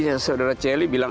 saudara celi bilang